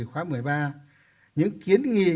năm hai nghìn một mươi ba những kiến nghị